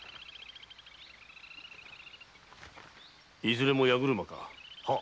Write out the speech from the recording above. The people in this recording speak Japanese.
いずれも八車か？